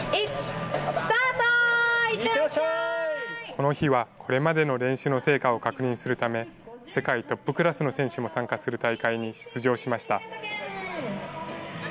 この日はこれまでの練習の成果を確認するため、世界トップクラスの選手も参加する大会に出場しました。